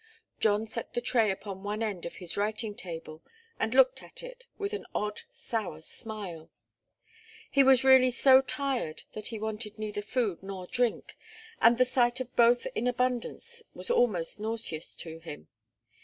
John set the tray upon one end of his writing table and looked at it, with an odd, sour smile. He was really so tired that he wanted neither food nor drink, and the sight of both in abundance was almost nauseous to him.